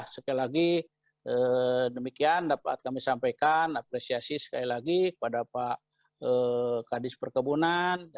sekali lagi demikian dapat kami sampaikan apresiasi sekali lagi kepada pak kadis perkebunan